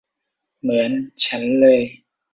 เหมือนฉันเลย !